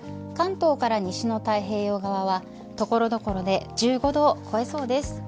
関東から西の太平洋側は所々で１５度を超えそうです。